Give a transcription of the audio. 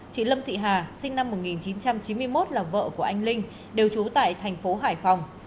chị lâm thị hà sinh năm một nghìn chín trăm chín mươi một là vợ của anh linh đều trú tại thành phố hải phòng